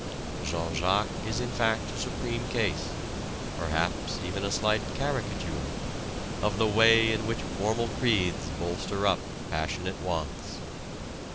Jean Jacques is in fact a supreme case perhaps even a slight caricature of the way in which formal creeds bolster up passionate wants.